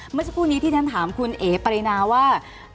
เมื่อสักครู่นี้ที่ฉันถามคุณเอ๋ปรินาว่า